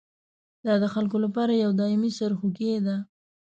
دا د خلکو لپاره یوه دایمي سرخوږي ده.